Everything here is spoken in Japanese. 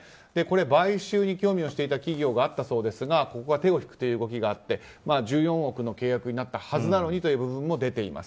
買収に興味を示していた企業があったそうですがここが手を引くという動きがあって１４億の契約になったはずなのにという部分も出ています。